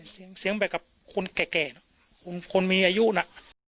เสียงเสียงไปกับคนแก่นะคนมีอายุน่ะ